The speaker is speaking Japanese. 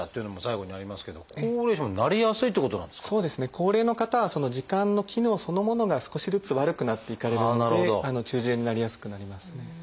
高齢の方は耳管の機能そのものが少しずつ悪くなっていかれるので中耳炎になりやすくなりますね。